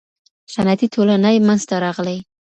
صنعتي ټولني منځ ته راغلې.